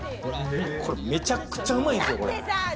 これめちゃくちゃうまいんすよ。